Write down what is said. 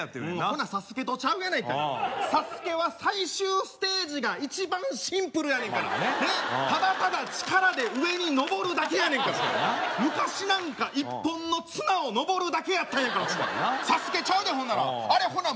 ほな「ＳＡＳＵＫＥ」とちゃうやないか「ＳＡＳＵＫＥ」は最終ステージが一番シンプルやねんからただただ力で上にのぼるだけやねんから昔なんか一本の綱をのぼるだけやったんやから確かにな「ＳＡＳＵＫＥ」ちゃうでほんならほな